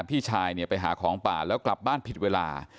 พี่ชายเนี่ยไปหาของป่าแล้วกลับบ้านผิดเวลา